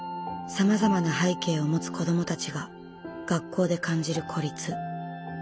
さまざまな背景を持つ子どもたちが学校で感じる孤立。